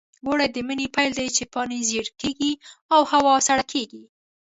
وږی د مني پیل دی، چې پاڼې ژېړې کېږي او هوا سړه کېږي.